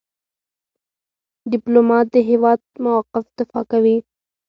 ډيپلومات د هیواد موقف دفاع کوي.